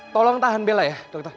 tolong tahan bela ya dokter